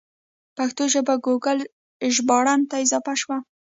پښتو ژبه ګوګل ژباړن ته اضافه شوه.